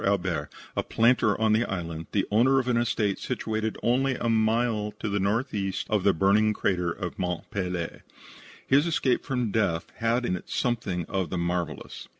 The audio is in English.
Albert, a planter of the island, the owner of an estate situated only a mile to the northeast of the burning crater of Mont Pelee. His escape from death had in it something of the marvellous.